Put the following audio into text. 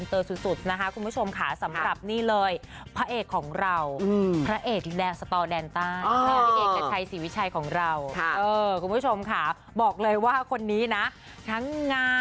แต่เพราะนี้มันสนุกนะ